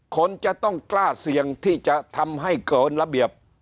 คนจะต้องกล้าเสี่ยงที่จะทำให้เกินระเบียบ